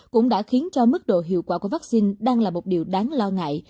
cũng đã khiến cho mức độ hiệu quả của vaccine đang là một điều đáng lo ngại